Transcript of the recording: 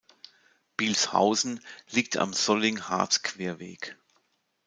Bilshausen liegt am Solling-Harz-Querweg.